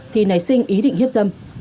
thì nảy sinh ý định hiếp giam